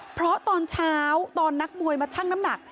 เพราะตอนเช้าตอนนักมวยมาชั่งน้ำหนัก